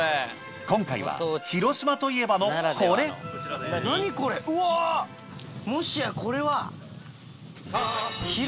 今回は広島といえばのこれもしやこれは。